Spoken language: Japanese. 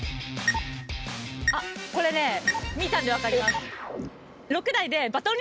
あこれね見たんで分かります。